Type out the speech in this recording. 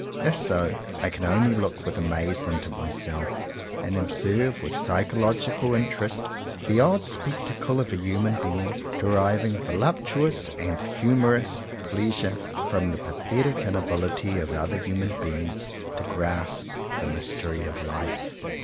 If so, I can only look with amazement at myself, and observe with psychological interest the odd spectacle of a human being deriving voluptuous and humourous pleasure from the pathetic inability of other human beings to grasp the mystery of life.